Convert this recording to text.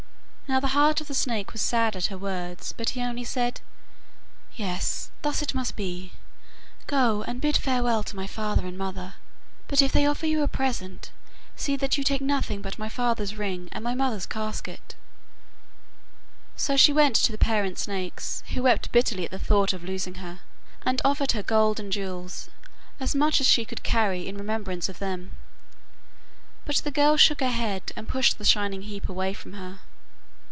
Now the heart of the snake was sad at her words, but he only said: 'Yes, thus it must be; go and bid farewell to my father and mother, but if they offer you a present, see that you take nothing but my father's ring and my mother's casket.' So she went to the parent snakes, who wept bitterly at the thought of losing her, and offered her gold and jewels as much as she could carry in remembrance of them. But the girl shook her head and pushed the shining heap away from her.